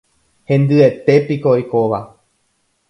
Hendyetépiko oikóva.